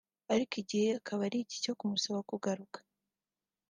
ariko igihe akaba ari iki cyo kumusaba kugaruka